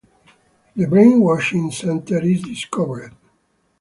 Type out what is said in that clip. The brainwashing center is discovered.